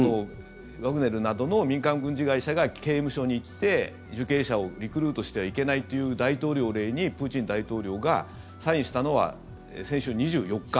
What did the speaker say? ワグネルなどの民間軍事会社が刑務所に行って受刑者をリクルートしてはいけないという大統領令にプーチン大統領がサインしたのは先週２４日。